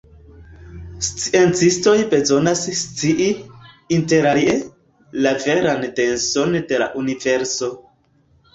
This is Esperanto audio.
Sciencistoj bezonas scii, interalie, la veran denson de la universo.